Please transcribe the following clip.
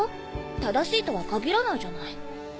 正しいとは限らないじゃない。